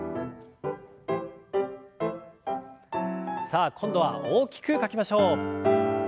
さあ今度は大きく書きましょう。